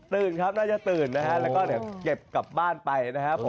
ตื่นครับน่าจะตื่นนะคะก็เดี๋ยวเก็บกลับบ้านไปนะครับ